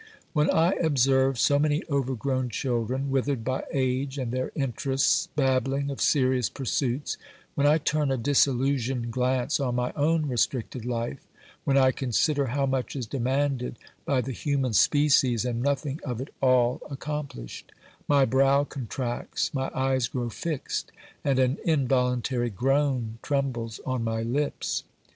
When I observe so many overgrown children, withered by age and their interests, babbling of serious pursuits ; when I turn a disillusionised glance on my own restricted life; when I consider how much is demanded by the human species and nothing of it all accomplished ; my brow con tracts, my eyes grow fixed, and an involuntary groan trembles on my lips.